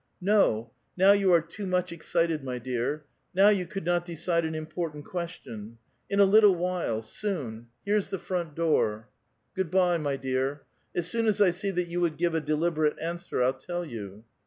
'^ No ! now you are too much excited, my dear. Now you could not decide an important question. In a little while. Soon ! Here's the front door. Do sveddnya [good by], my dear. As soon as I see that you would give a deliberate answer, I'll tell you."